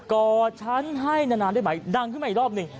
อดฉันให้นานได้ไหมดังขึ้นมาอีกรอบหนึ่ง